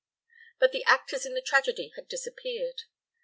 But the actors in the tragedy had disappeared.